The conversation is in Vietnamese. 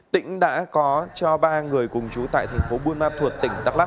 tỉnh đã có cho ba người cùng trú tại thành phố buôn ma thuột tỉnh đắk lắc